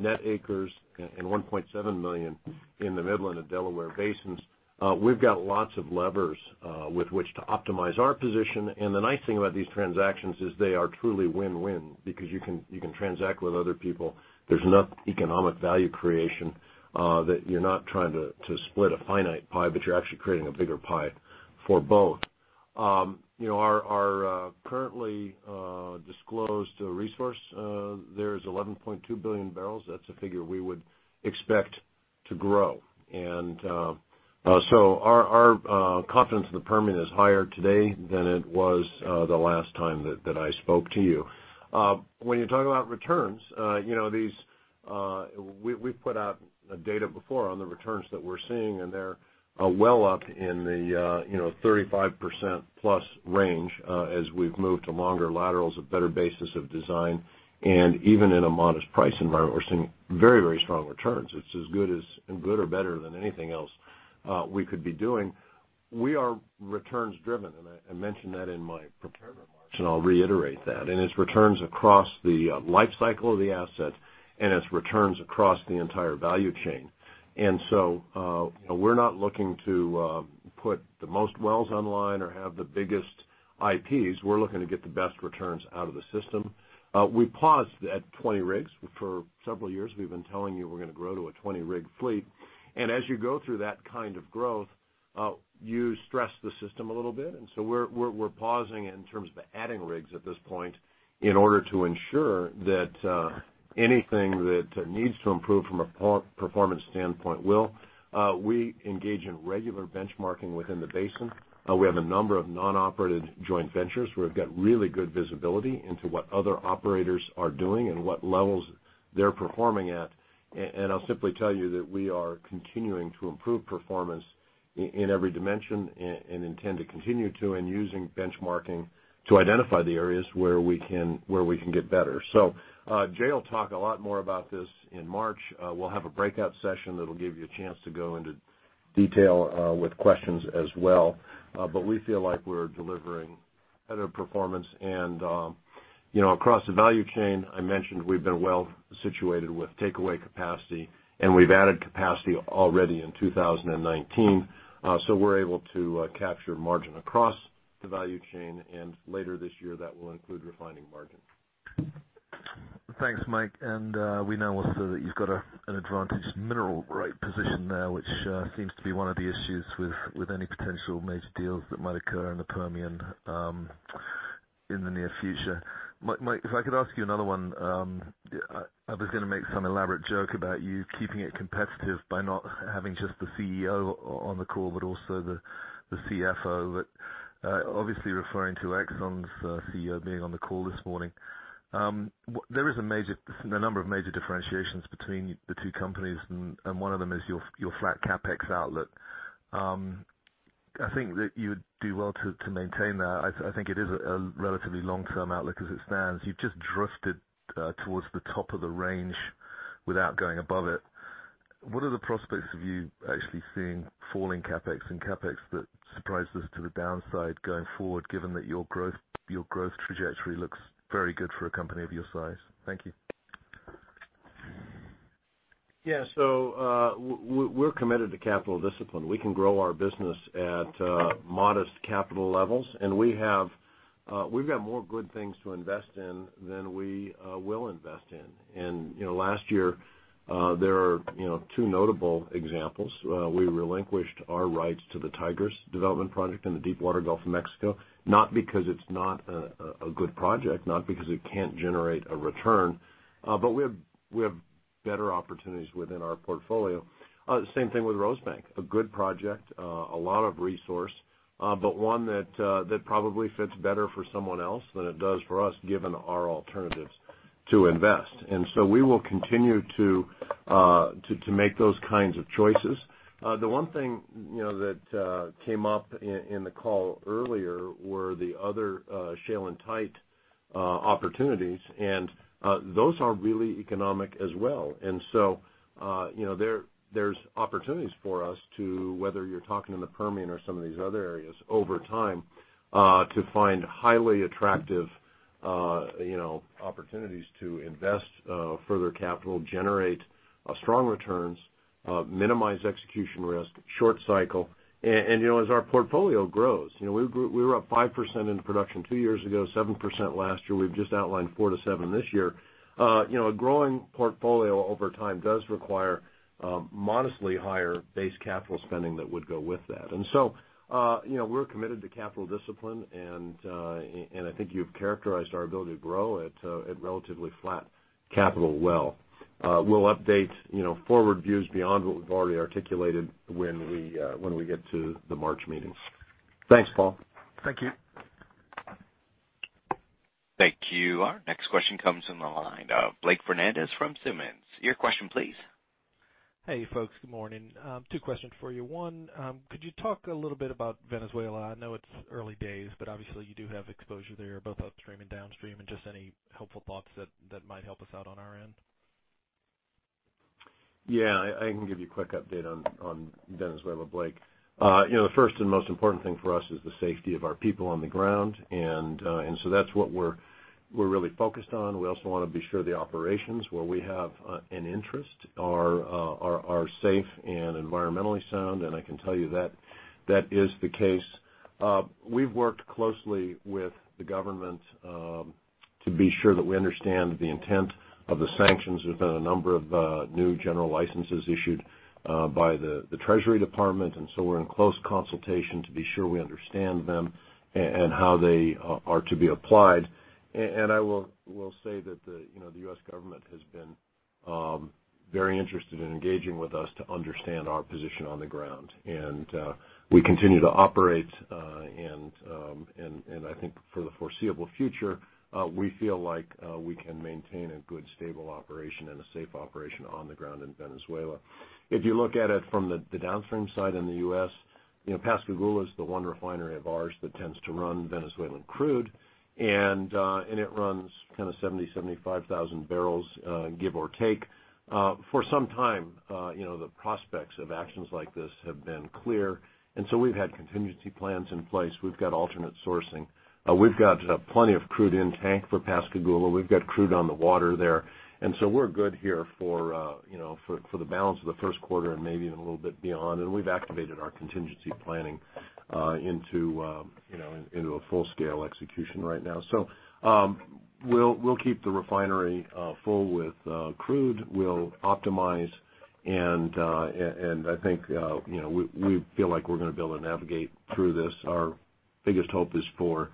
Speaker 2: net acres and 1.7 million in the Midland and Delaware basins, we've got lots of levers with which to optimize our position. The nice thing about these transactions is they are truly win-win because you can transact with other people. There's enough economic value creation that you're not trying to split a finite pie, but you're actually creating a bigger pie for both. Our currently disclosed resource there is 11.2 billion bbl. That's a figure we would expect to grow. Our confidence in the Permian is higher today than it was the last time that I spoke to you. When you talk about returns, we've put out data before on the returns that we're seeing, and they're well up in the 35%+ range as we've moved to longer laterals, a better basis of design. Even in a modest price environment, we're seeing very strong returns. It's as good or better than anything else we could be doing. We are returns driven, I mentioned that in my prepared remarks, and I'll reiterate that. It's returns across the life cycle of the asset, and it's returns across the entire value chain. We're not looking to put the most wells online or have the biggest IPs. We're looking to get the best returns out of the system. We paused at 20 rigs. For several years, we've been telling you we're going to grow to a 20-rig fleet. As you go through that kind of growth, you stress the system a little bit. We're pausing in terms of adding rigs at this point in order to ensure that anything that needs to improve from a performance standpoint will. We engage in regular benchmarking within the basin. We have a number of non-operated joint ventures. We've got really good visibility into what other operators are doing and what levels they're performing at. I'll simply tell you that we are continuing to improve performance in every dimension and intend to continue to, using benchmarking to identify the areas where we can get better. Jay will talk a lot more about this in March. We'll have a breakout session that'll give you a chance to go into detail with questions as well. We feel like we're delivering better performance. Across the value chain, I mentioned we've been well situated with takeaway capacity, we've added capacity already in 2019. We're able to capture margin across the value chain, later this year, that will include refining margin.
Speaker 9: Thanks, Mike. We know also that you've got an advantaged mineral right position now, which seems to be one of the issues with any potential major deals that might occur in the Permian in the near future. Mike, if I could ask you another one. I was going to make some elaborate joke about you keeping it competitive by not having just the CEO on the call, but also the CFO. Obviously referring to Exxon's CEO being on the call this morning. There is a number of major differentiations between the two companies, and one of them is your flat CapEx outlook. I think that you would do well to maintain that. I think it is a relatively long-term outlook as it stands. You've just drifted towards the top of the range without going above it. What are the prospects of you actually seeing falling CapEx and CapEx that surprises to the downside going forward, given that your growth trajectory looks very good for a company of your size? Thank you.
Speaker 2: Yeah. We're committed to capital discipline. We can grow our business at modest capital levels, and we've got more good things to invest in than we will invest in. Last year, there are two notable examples. We relinquished our rights to the Tigris development project in the deepwater Gulf of Mexico, not because it's not a good project, not because it can't generate a return, but we have better opportunities within our portfolio. The same thing with Rosebank. A good project, a lot of resource, but one that probably fits better for someone else than it does for us, given our alternatives to invest. We will continue to make those kinds of choices. The one thing that came up in the call earlier were the other shale and tight opportunities, and those are really economic as well. There's opportunities for us to, whether you're talking in the Permian or some of these other areas over time, to find highly attractive opportunities to invest further capital, generate strong returns, minimize execution risk, short cycle. As our portfolio grows, we were up 5% in production two years ago, 7% last year. We've just outlined 4%-7% this year. A growing portfolio over time does require modestly higher base capital spending that would go with that. We're committed to capital discipline, and I think you've characterized our ability to grow at relatively flat capital well. We'll update forward views beyond what we've already articulated when we get to the March meetings. Thanks, Paul.
Speaker 9: Thank you.
Speaker 1: Thank you. Our next question comes from the line of Blake Fernandez from Simmons. Your question, please.
Speaker 10: Hey, folks. Good morning. Two questions for you. One, could you talk a little bit about Venezuela? I know it's early days, but obviously you do have exposure there, both upstream and downstream, and just any helpful thoughts that might help us out on our end?
Speaker 2: Yeah. I can give you a quick update on Venezuela, Blake. The first and most important thing for us is the safety of our people on the ground. That's what we're really focused on. We also want to be sure the operations where we have an interest are safe and environmentally sound, and I can tell you that is the case. We've worked closely with the government to be sure that we understand the intent of the sanctions. There's been a number of new general licenses issued by the Treasury Department. We're in close consultation to be sure we understand them and how they are to be applied. I will say that the U.S. government has been very interested in engaging with us to understand our position on the ground, and we continue to operate. I think for the foreseeable future, we feel like we can maintain a good, stable operation and a safe operation on the ground in Venezuela. If you look at it from the downstream side in the U.S., Pascagoula is the one refinery of ours that tends to run Venezuelan crude, and it runs 70,000 bbl, 75,000 bbl, give or take. For some time, the prospects of actions like this have been clear, we've had contingency plans in place. We've got alternate sourcing. We've got plenty of crude in tank for Pascagoula. We've got crude on the water there. We're good here for the balance of the first quarter and maybe even a little bit beyond. We've activated our contingency planning into a full-scale execution right now. We'll keep the refinery full with crude. We'll optimize, I think we feel like we're going to be able to navigate through this. Our biggest hope is for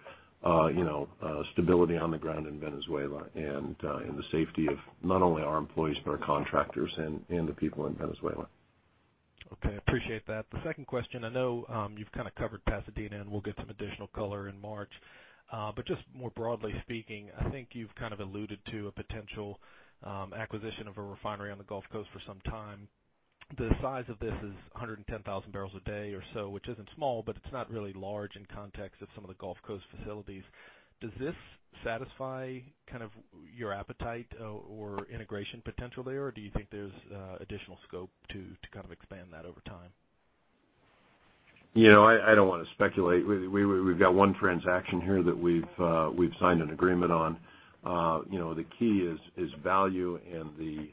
Speaker 2: stability on the ground in Venezuela and the safety of not only our employees, but our contractors and the people in Venezuela.
Speaker 10: Okay. I appreciate that. The second question, I know you've covered Pasadena, we'll get some additional color in March. Just more broadly speaking, I think you've alluded to a potential acquisition of a refinery on the Gulf Coast for some time. The size of this is 110,000 bpd or so, which isn't small, but it's not really large in context of some of the Gulf Coast facilities. Does this satisfy your appetite or integration potential there, or do you think there's additional scope to expand that over time?
Speaker 2: I don't want to speculate. We've got one transaction here that we've signed an agreement on. The key is value and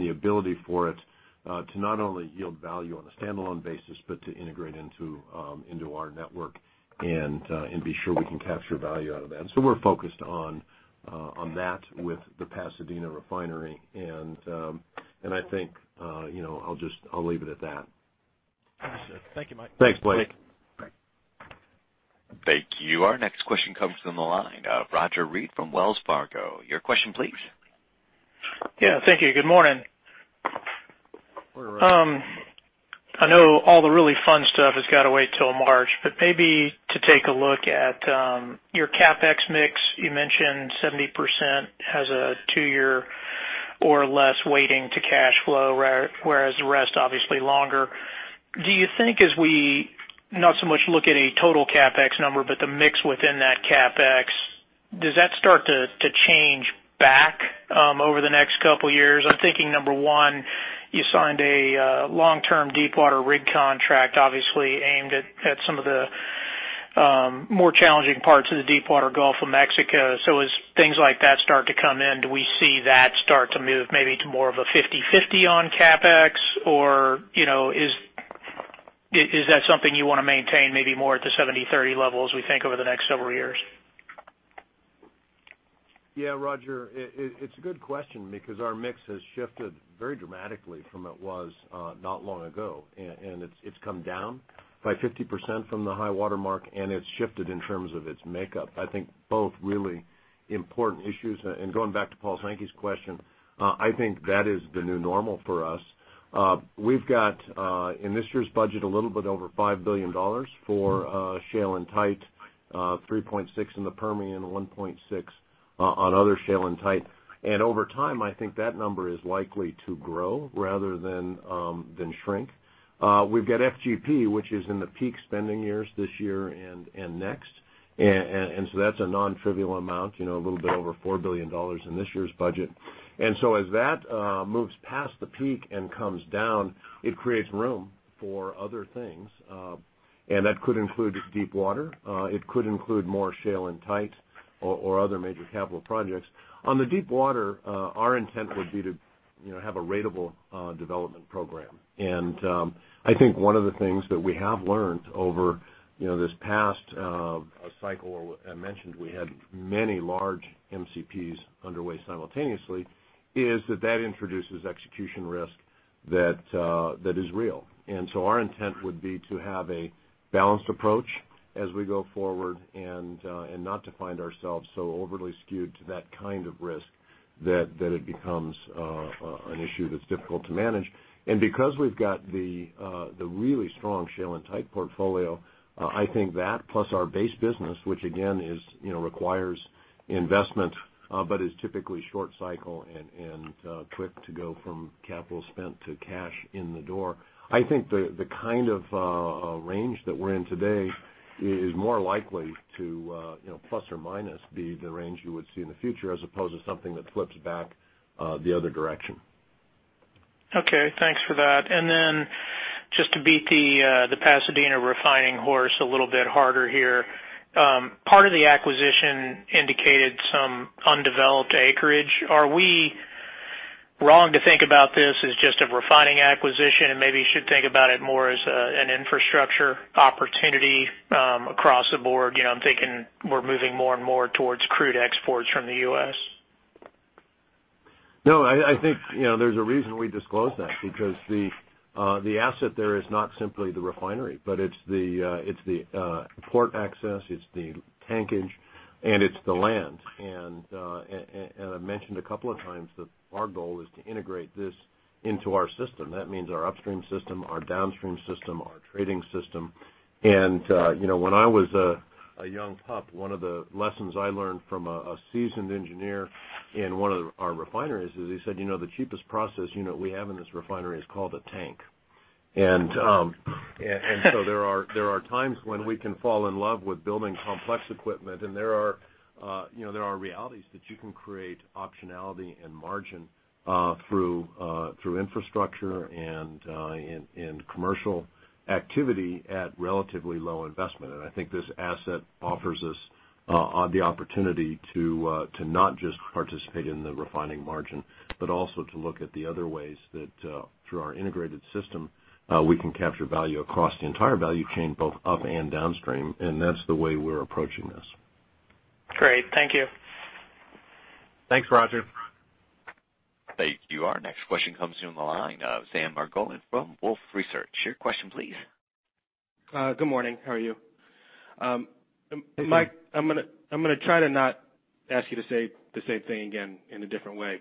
Speaker 2: the ability for it to not only yield value on a standalone basis, but to integrate into our network and be sure we can capture value out of that. We're focused on that with the Pasadena refinery, I think I'll leave it at that.
Speaker 10: Understood. Thank you, Mike.
Speaker 2: Thanks, Blake.
Speaker 1: Thank you. Our next question comes from the line of Roger Read from Wells Fargo. Your question, please.
Speaker 11: Yeah. Thank you. Good morning.
Speaker 2: Roger.
Speaker 11: I know all the really fun stuff has got to wait till March, but maybe to take a look at your CapEx mix, you mentioned 70% has a two-year or less waiting to cash flow, whereas the rest, obviously longer. Do you think as we not so much look at a total CapEx number, but the mix within that CapEx, does that start to change back over the next couple of years? I'm thinking, number one, you signed a long-term deepwater rig contract, obviously aimed at some of the more challenging parts of the deepwater Gulf of Mexico. As things like that start to come in, do we see that start to move maybe to more of a 50/50 on CapEx, or is that something you want to maintain maybe more at the 70/30 level as we think over the next several years?
Speaker 2: Yeah, Roger, it's a good question because our mix has shifted very dramatically from it was not long ago, and it's come down by 50% from the high watermark, and it's shifted in terms of its makeup. I think both really important issues. Going back to Paul Sankey's question, I think that is the new normal for us. We've got in this year's budget a little bit over $5 billion for shale and tight, 3.6 in the Permian, 1.6 on other shale and tight. Over time, I think that number is likely to grow rather than shrink. We've got FGP, which is in the peak spending years this year and next. That's a non-trivial amount, a little bit over $4 billion in this year's budget. As that moves past the peak and comes down, it creates room for other things. That could include deepwater. It could include more shale and tight or other major capital projects. On the deepwater, our intent would be to have a ratable development program. I think one of the things that we have learned over this past cycle, I mentioned we had many large MCPs underway simultaneously, is that that introduces execution risk that is real. Our intent would be to have a balanced approach as we go forward and not to find ourselves so overly skewed to that kind of risk that it becomes an issue that's difficult to manage. Because we've got the really strong shale and tight portfolio, I think that plus our base business, which again requires investment but is typically short cycle and quick to go from capital spent to cash in the door. I think the kind of range that we're in today is more likely to, plus or minus, be the range you would see in the future, as opposed to something that flips back the other direction.
Speaker 11: Okay. Thanks for that. Just to beat the Pasadena refining horse a little bit harder here. Part of the acquisition indicated some undeveloped acreage. Are we wrong to think about this as just a refining acquisition, and maybe you should think about it more as an infrastructure opportunity across the board? I'm thinking we're moving more and more towards crude exports from the U.S.
Speaker 2: No, I think there's a reason we disclosed that because the asset there is not simply the refinery, but it's the port access, it's the tankage, and it's the land. I've mentioned a couple of times that our goal is to integrate this into our system. That means our upstream system, our downstream system, our trading system. When I was a young pup, one of the lessons I learned from a seasoned engineer in one of our refineries is he said, "The cheapest process unit we have in this refinery is called a tank." There are times when we can fall in love with building complex equipment, and there are realities that you can create optionality and margin through infrastructure and commercial activity at relatively low investment. I think this asset offers us the opportunity to not just participate in the refining margin, but also to look at the other ways that through our integrated system, we can capture value across the entire value chain, both up and downstream, and that's the way we're approaching this.
Speaker 11: Great. Thank you.
Speaker 2: Thanks, Roger.
Speaker 1: Thank you. Our next question comes from the line of Sam Margolin from Wolfe Research. Your question please.
Speaker 12: Good morning. How are you? Mike, I'm going to try to not ask you to say the same thing again in a different way.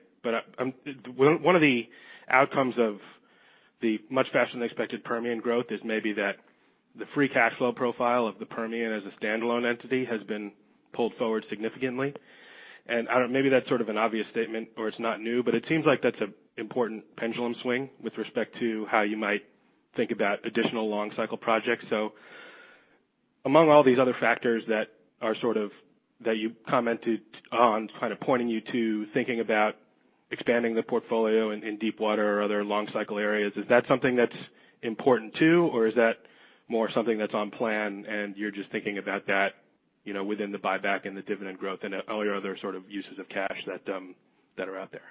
Speaker 12: One of the outcomes of the much faster than expected Permian growth is maybe that the free cash flow profile of the Permian as a standalone entity has been pulled forward significantly. Maybe that's sort of an obvious statement or it's not new, but it seems like that's an important pendulum swing with respect to how you might think about additional long cycle projects. Among all these other factors that you commented on, kind of pointing you to thinking about expanding the portfolio in deep water or other long cycle areas, is that something that's important too, or is that more something that's on plan and you're just thinking about that within the buyback and the dividend growth and all your other sort of uses of cash that are out there?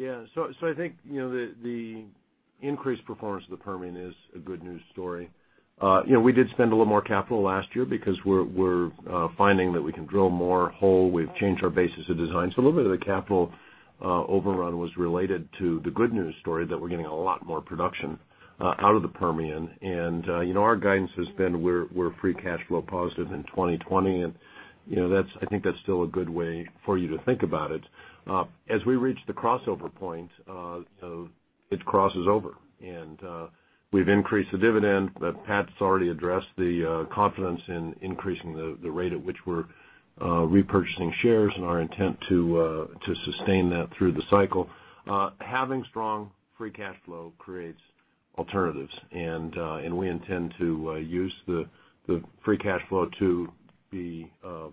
Speaker 2: I think the increased performance of the Permian is a good news story. We did spend a little more capital last year because we're finding that we can drill more hole. We've changed our basis of design. A little bit of the capital overrun was related to the good news story that we're getting a lot more production out of the Permian. Our guidance has been we're free cash flow positive in 2020, and I think that's still a good way for you to think about it. As we reach the crossover point, it crosses over, and we've increased the dividend, Pat's already addressed the confidence in increasing the rate at which we're repurchasing shares and our intent to sustain that through the cycle. Having strong free cash flow creates alternatives, we intend to use the free cash flow to be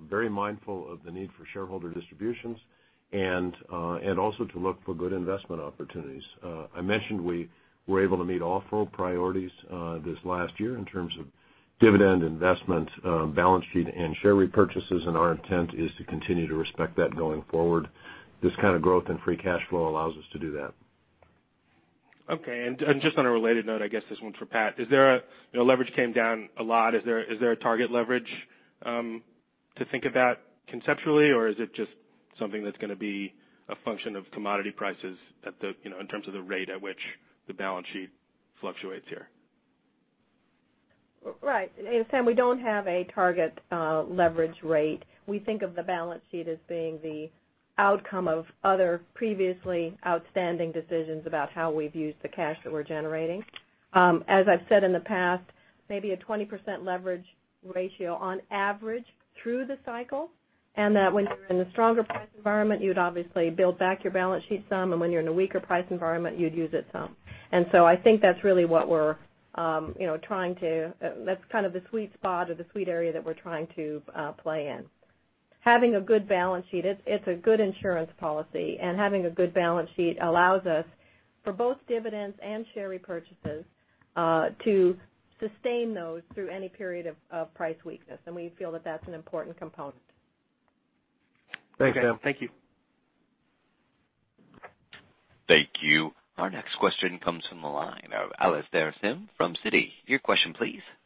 Speaker 2: very mindful of the need for shareholder distributions and also to look for good investment opportunities. I mentioned we were able to meet all four priorities this last year in terms of dividend investment, balance sheet, and share repurchases, and our intent is to continue to respect that going forward. This kind of growth in free cash flow allows us to do that.
Speaker 12: Okay. Just on a related note, I guess this one's for Pat. Leverage came down a lot. Is there a target leverage to think about conceptually, or is it just something that's going to be a function of commodity prices in terms of the rate at which the balance sheet fluctuates here?
Speaker 3: Right. Sam, we don't have a target leverage rate. We think of the balance sheet as being the outcome of other previously outstanding decisions about how we've used the cash that we're generating. As I've said in the past, maybe a 20% leverage ratio on average through the cycle, and that when you're in a stronger price environment, you would obviously build back your balance sheet some, and when you're in a weaker price environment, you'd use it some. I think that's kind of the sweet spot or the sweet area that we're trying to play in. Having a good balance sheet, it's a good insurance policy, and having a good balance sheet allows us for both dividends and share repurchases to sustain those through any period of price weakness. We feel that that's an important component. Thanks, Sam. Thank you.
Speaker 1: Thank you. Our next question comes from the line of Alastair Syme from Citi. Your question please.
Speaker 13: Hi.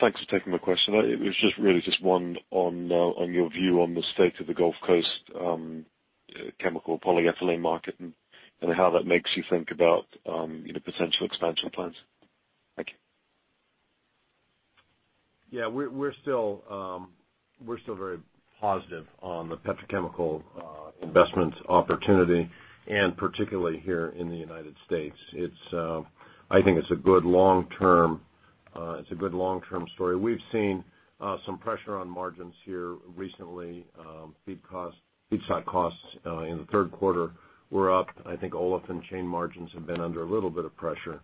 Speaker 13: Thanks for taking my question. It was really just one on your view on the state of the Gulf Coast chemical polyethylene market, and how that makes you think about potential expansion plans. Thank you.
Speaker 2: Yeah. We're still very positive on the petrochemical investment opportunity, and particularly here in the United States. I think it's a good long-term story. We've seen some pressure on margins here recently. Feedstock costs in the third quarter were up. I think olefin chain margins have been under a little bit of pressure.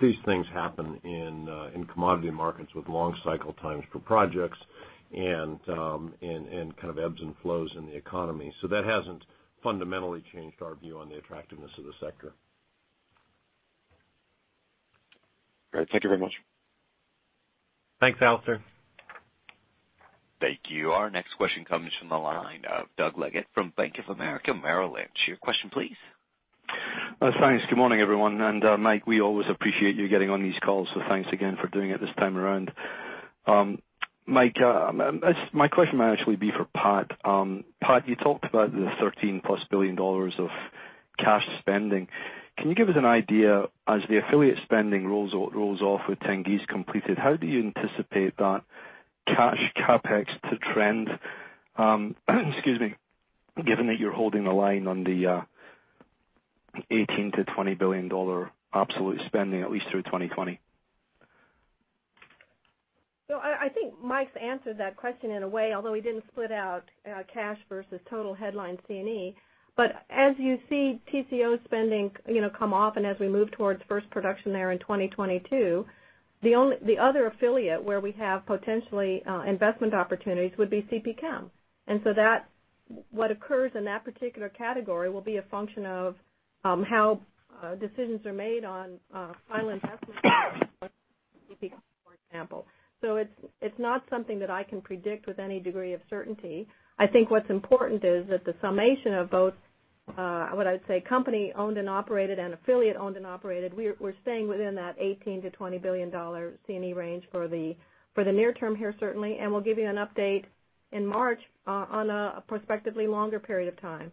Speaker 2: These things happen in commodity markets with long cycle times for projects and kind of ebbs and flows in the economy. That hasn't fundamentally changed our view on the attractiveness of the sector. Great. Thank you very much.
Speaker 5: Thanks, Alastair.
Speaker 1: Thank you. Our next question comes from the line of Doug Leggate from Bank of America Merrill Lynch. Your question please.
Speaker 14: Thanks. Good morning, everyone, Mike, we always appreciate you getting on these calls, so thanks again for doing it this time around. Mike, my question might actually be for Pat. Pat, you talked about the $13+ billion of cash spending. Can you give us an idea as the affiliate spending rolls off with Tengiz completed, how do you anticipate that cash CapEx to trend, excuse me, given that you're holding the line on the $18 billion-$20 billion absolute spending at least through 2020?
Speaker 3: I think Mike's answered that question in a way, although he didn't split out cash versus total headline C&E. As you see TCO spending come off and as we move towards first production there in 2022, the other affiliate where we have potentially investment opportunities would be CPChem. What occurs in that particular category will be a function of how decisions are made on file investments for example. It's not something that I can predict with any degree of certainty. I think what's important is that the summation of both what I would say company owned and operated and affiliate owned and operated, we're staying within that $18 billion-$20 billion C&E range for the near term here, certainly, and we'll give you an update in March on a prospectively longer period of time.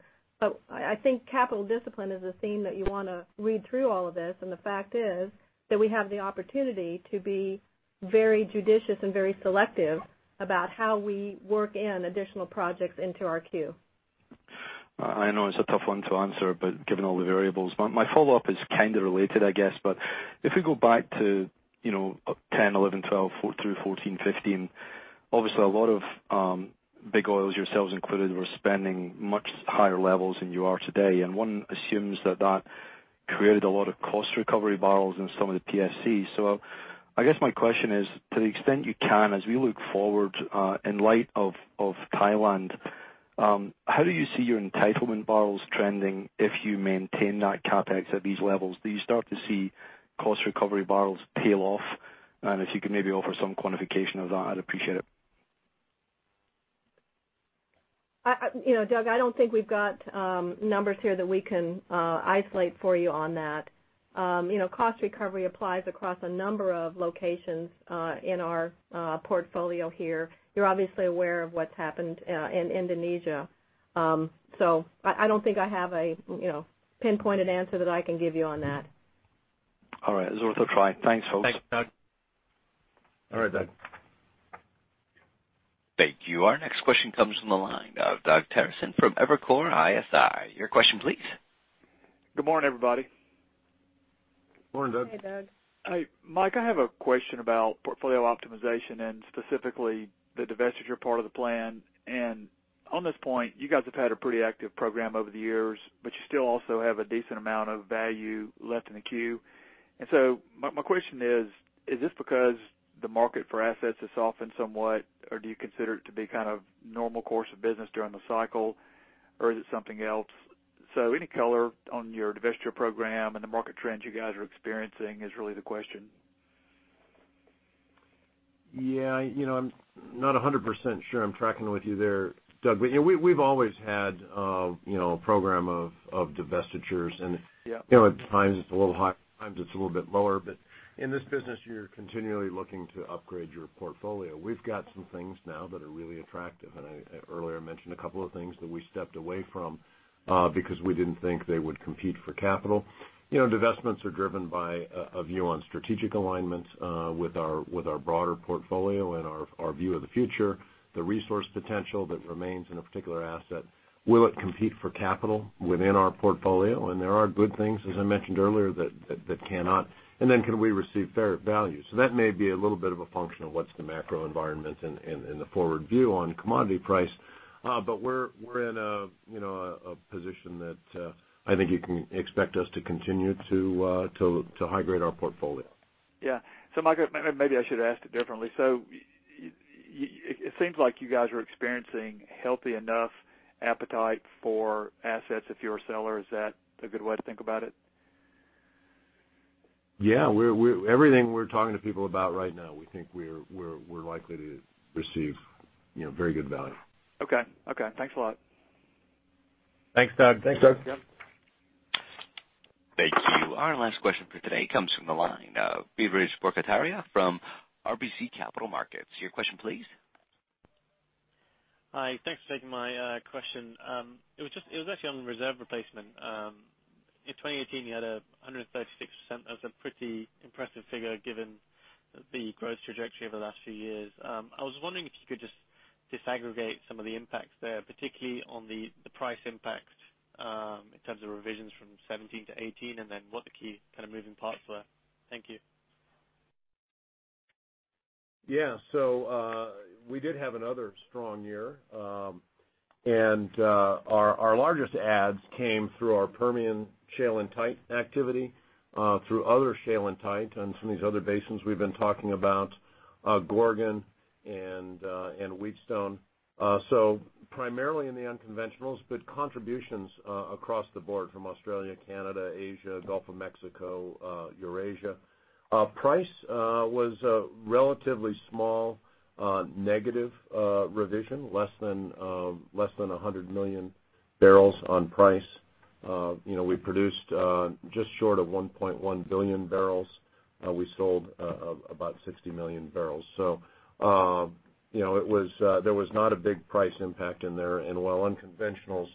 Speaker 3: I think capital discipline is a theme that you want to read through all of this, and the fact is that we have the opportunity to be very judicious and very selective about how we work in additional projects into our queue.
Speaker 14: I know it's a tough one to answer, but given all the variables. My follow-up is kind of related, I guess, but if we go back to 2010, 2011, 2012 through 2014, 2015, obviously a lot of big oils, yourselves included, were spending much higher levels than you are today. And one assumes that that created a lot of cost recovery barrels in some of the PSCs. I guess my question is, to the extent you can, as we look forward, in light of Thailand, how do you see your entitlement barrels trending if you maintain that CapEx at these levels? Do you start to see cost recovery barrels tail off? And if you could maybe offer some quantification of that, I'd appreciate it.
Speaker 3: Doug, I don't think we've got numbers here that we can isolate for you on that. Cost recovery applies across a number of locations in our portfolio here. You're obviously aware of what's happened in Indonesia. I don't think I have a pinpointed answer that I can give you on that.
Speaker 14: All right. It was worth a try. Thanks folks.
Speaker 5: Thanks, Doug.
Speaker 2: All right, Doug.
Speaker 1: Thank you. Our next question comes from the line of Doug Terreson from Evercore ISI. Your question please.
Speaker 15: Good morning, everybody.
Speaker 2: Morning, Doug.
Speaker 3: Hey, Doug.
Speaker 15: Mike, I have a question about portfolio optimization and specifically the divestiture part of the plan. On this point, you guys have had a pretty active program over the years, but you still also have a decent amount of value left in the queue. My question is this because the market for assets has softened somewhat, or do you consider it to be kind of normal course of business during the cycle, or is it something else? Any color on your divestiture program and the market trends you guys are experiencing is really the question.
Speaker 2: Yeah. I'm not 100% sure I'm tracking with you there, Doug. We've always had a program of divestitures.
Speaker 15: Yeah.
Speaker 2: At times it's a little high, at times it's a little bit lower. In this business, you're continually looking to upgrade your portfolio. We've got some things now that are really attractive. I earlier mentioned a couple of things that we stepped away from because we didn't think they would compete for capital. Divestments are driven by a view on strategic alignments with our broader portfolio and our view of the future, the resource potential that remains in a particular asset. Will it compete for capital within our portfolio? There are good things, as I mentioned earlier, that cannot. Can we receive fair value? That may be a little bit of a function of what's the macro environment and the forward view on commodity price. We're in a position that I think you can expect us to continue to high-grade our portfolio.
Speaker 15: Yeah. Mike, maybe I should ask it differently. It seems like you guys are experiencing healthy enough appetite for assets if you're a seller. Is that a good way to think about it?
Speaker 2: Yeah. Everything we're talking to people about right now, we think we're likely to receive very good value.
Speaker 15: Okay. Thanks a lot.
Speaker 5: Thanks, Doug.
Speaker 2: Thanks, Doug.
Speaker 1: Thank you. Our last question for today comes from the line of Biraj Borkhataria from RBC Capital Markets. Your question please.
Speaker 16: Hi. Thanks for taking my question. It was actually on reserve replacement. In 2018, you had 136%. That was a pretty impressive figure given the growth trajectory over the last few years. I was wondering if you could just disaggregate some of the impacts there, particularly on the price impacts, in terms of revisions from 2017-2018, and then what the key kind of moving parts were. Thank you.
Speaker 2: We did have another strong year. Our largest adds came through our Permian shale and tight activity, through other shale and tight on some of these other basins we've been talking about, Gorgon and Wheatstone. Primarily in the unconventionals, but contributions across the board from Australia, Canada, Asia, Gulf of Mexico, Eurasia. Price was a relatively small negative revision, less than 100 million bbl on price. We produced just short of 1.1 billion bbl. We sold about 60 million bbl. There was not a big price impact in there. While unconventionals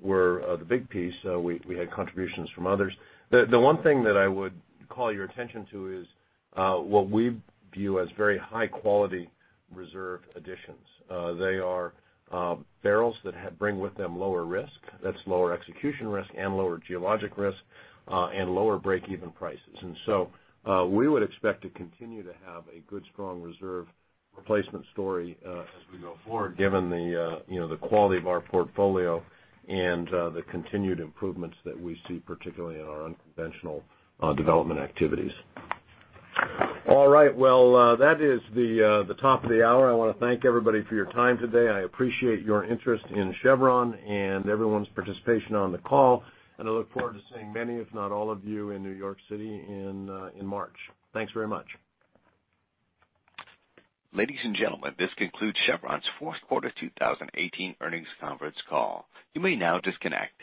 Speaker 2: were the big piece, we had contributions from others. The one thing that I would call your attention to is what we view as very high-quality reserve additions. They are barrels that bring with them lower risk. That's lower execution risk and lower geologic risk, and lower breakeven prices. We would expect to continue to have a good, strong reserve replacement story as we go forward given the quality of our portfolio and the continued improvements that we see, particularly in our unconventional development activities. All right. That is the top of the hour. I want to thank everybody for your time today. I appreciate your interest in Chevron and everyone's participation on the call, and I look forward to seeing many, if not all of you in New York City in March. Thanks very much.
Speaker 1: Ladies and gentlemen, this concludes Chevron's fourth quarter 2018 earnings conference call. You may now disconnect.